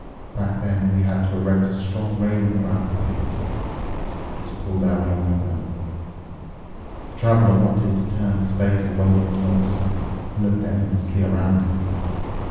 Back then we had to erect a strong railing around the pit. It was pulled out long ago." The Traveler wanted to turn his face away from the Officer and looked aimlessly around him.